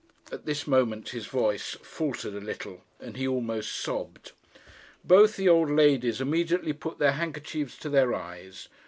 At this moment his voice faltered a little, and he almost sobbed. Both the old ladies immediately put their handkerchiefs to their eyes.